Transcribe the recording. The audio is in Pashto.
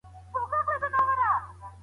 موږ دايره رسموو.